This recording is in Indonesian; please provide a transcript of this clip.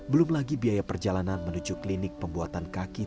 belum lagi biaya perjalanan menuju klinik pembuatan kaki